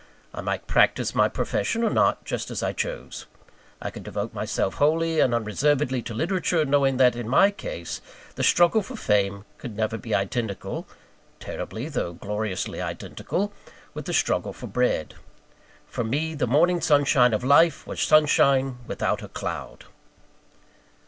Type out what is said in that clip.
I might practise my profession or not, just as I chose. I could devote myself wholly and unreservedly to literature, knowing that, in my case, the struggle for fame could never be identical terribly, though gloriously identical with the struggle for bread. For me, the morning sunshine of life was sunshine without a cloud!